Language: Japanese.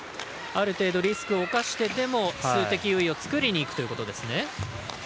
ある程度リスクを冒してでも数的優位を作りにいくんですね。